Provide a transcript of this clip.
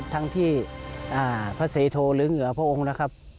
ทั้งที่พระเสโทหรือเหงื่อพระองค์นะครับ